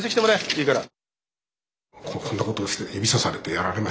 いいから。